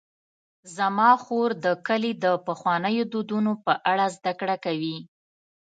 زما خور د کلي د پخوانیو دودونو په اړه زدهکړه کوي.